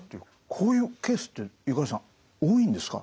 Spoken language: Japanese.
こういうケースって五十嵐さん多いんですか？